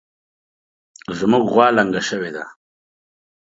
زمونږ غوا لنګه شوې ده